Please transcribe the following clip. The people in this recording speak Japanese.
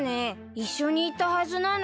一緒にいたはずなのに。